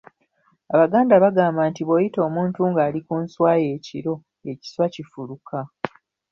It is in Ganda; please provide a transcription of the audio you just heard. "Abaganda bagamba nti bw’oyita omuntu ng’ali ku nswa ye ekiro, ekiswa kifuluka."